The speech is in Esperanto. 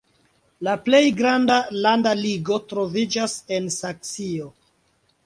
La plej granda landa ligo troviĝas en Saksio.